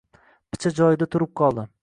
Picha joyida turib qoldi.